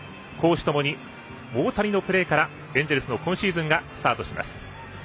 攻守ともに大谷のプレーからエンジェルスの今シーズンがスタートします。